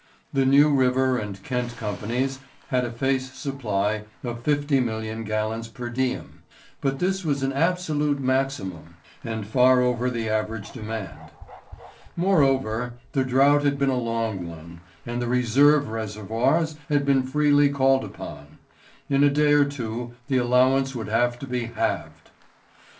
The New River and Kent Companies had a face supply of 50,000,000 gallons per diem, but this was an absolute maximum and far over the average demand. Moreover, the drought had been a long one, and the reserve reservoirs had been freely called upon. In a day or two the allowance would have to be halved.